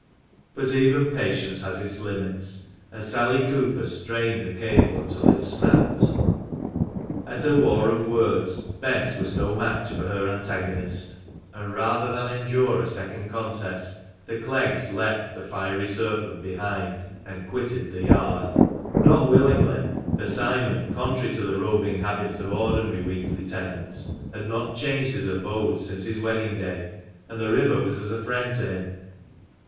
But even patience has its limits, and Sally Cooper strained the cable until it snapped. At a war of words Bess was no match for her antagonist: and, rather than endure a second contest, the Cleggs left the fiery serpent behind, and quitted the yard. 34 THE MANCHESTER MAN. Not willingly, for Simon, contrary to the roving habits of ordinary weekly tenants, had not changed his abode since his wedding day, and the river was as a friend to him.